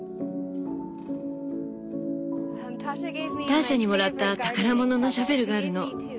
ターシャにもらった宝物のシャベルがあるの。